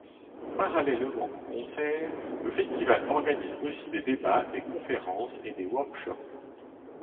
Parallèlement aux concerts, le festival organise aussi des débats, des conférences et des workshops.